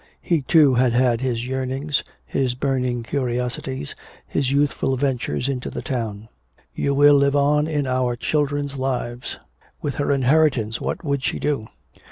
He, too, had had his yearnings, his burning curiosities, his youthful ventures into the town. "You will live on in our children's lives." With her inheritance what would she do?